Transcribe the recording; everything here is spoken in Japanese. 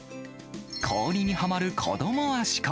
氷にはまる子どもアシカ。